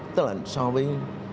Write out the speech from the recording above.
tức là so với